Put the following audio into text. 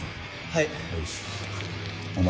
はい。